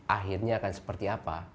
akhirnya akan seperti apa